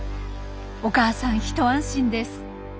お母さん一安心です。